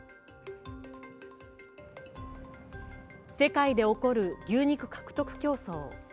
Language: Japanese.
世界で起こる牛肉獲得競争。